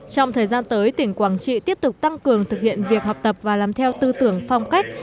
trong thời gian tới tỉnh quảng trị tiếp tục tăng cường thực hiện việc học tập và làm theo tư tưởng phong cách